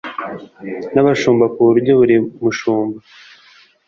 N abashumba ku buryo buri mushumba